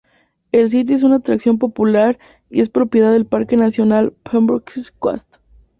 El sitio es una atracción popular y es propiedad del Parque Nacional Pembrokeshire Coast.